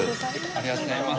ありがとうございます。